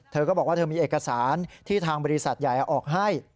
เธอก็บอกว่าเธอมีเอกสารที่ทางบริษัทใหญ่ออกให้